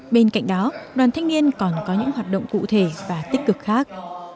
bên cạnh đó đoàn thanh niên còn có những hoạt động cụ thể và tích cực khác